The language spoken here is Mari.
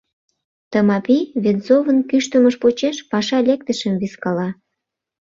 Тымапи, Венцовын кӱштымыж почеш, паша лектышым вискала.